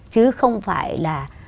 chứ không phải là